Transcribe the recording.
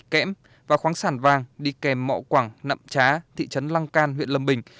kẽm và khoáng sản vàng đi kèm mọ quảng nậm trá thị trấn lăng can huyện lâm bình